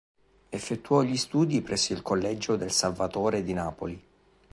Effettuò gli studi presso il Collegio del Salvatore di Napoli.